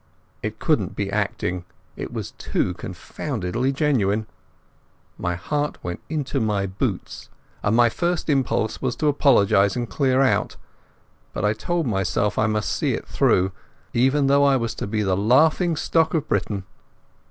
It couldn't be acting, it was too confoundedly genuine. My heart went into my boots, and my first impulse was to apologize and clear out. But I told myself I must see it through, even though I was to be the laughing stock of Britain.